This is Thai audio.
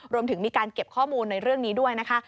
รวมถึงมีการเก็บข้อมูลในเรื่องนี้ด้วยนะคะ